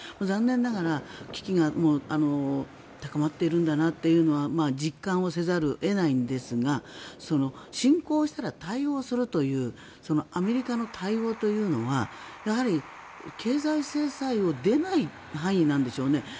残念ながら危機が高まっているんだなというのは実感をせざるを得ないんですが侵攻したら対応するというアメリカの対応というのはやはり経済制裁を出ない範囲なんでしょうね。